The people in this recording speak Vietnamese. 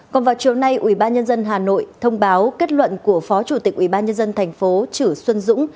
còn vào chiều nay ubnd hà nội thông báo kết luận của phó chủ tịch ubnd tp chử xuân dũng